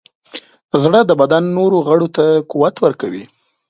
زړه د بدن نورو غړو ته قوت ورکوي.